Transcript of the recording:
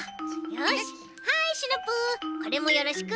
よしはいシナプーこれもよろしく！